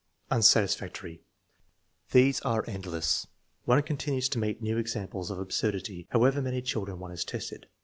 Unsatisfactory. These are endless. One continues to meet new examples of absurdity, however many children one has tested.